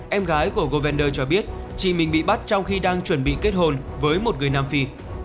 em gái của govender cho biết chị mình bị bắt trong khi đang chuẩn bị kết hôn với một người nam phi